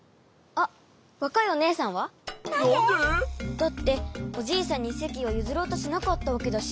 だっておじいさんにせきをゆずろうとしなかったわけだし。